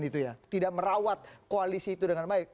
tidak merawat koalisi itu dengan baik